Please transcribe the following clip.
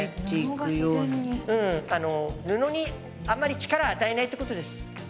布にあんまり力を与えないってことです。